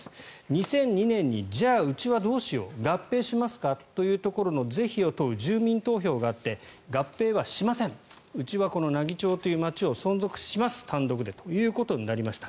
２００２年に、うちはどうしよう合併しますかというところの是非を問う住民投票があって合併はしませんうちはこの奈義町という町を単独で存続しますということになりました。